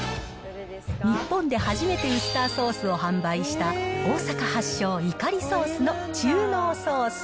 日本で初めてウスターソースを販売した大阪発祥、イカリソースの中濃ソース。